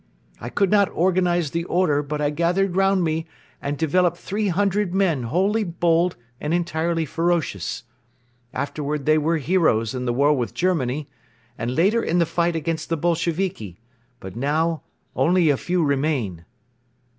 I could not organize the Order but I gathered round me and developed three hundred men wholly bold and entirely ferocious. Afterward they were heroes in the war with Germany and later in the fight against the Bolsheviki, but now only a few remain."